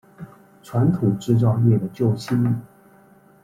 传统制造业的救星